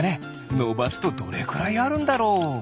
のばすとどれくらいあるんだろう？